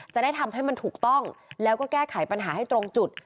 จะได้ทำให้มันถูกต้องแล้วก็แก้ไขปัญหาให้ตรงจุด